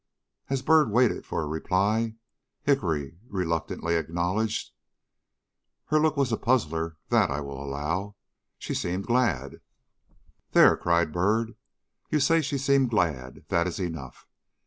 As Byrd waited for a reply, Hickory reluctantly acknowledged: "Her look was a puzzler, that I will allow. She seemed glad " "There," cried Byrd, "you say she seemed glad; that is enough.